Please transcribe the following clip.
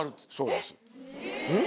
えっ！